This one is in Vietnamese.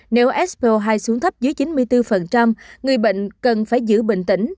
nếu expo hai xuống thấp dưới chín mươi bốn người bệnh cần phải giữ bình tĩnh